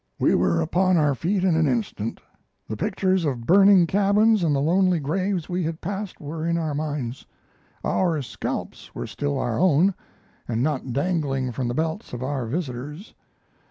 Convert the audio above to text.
We were upon our feet in an instant. The pictures of burning cabins and the lonely graves we had passed were in our minds. Our scalps were still our own, and not dangling from the belts of our visitors.